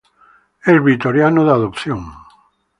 Es vitoriano de adopción.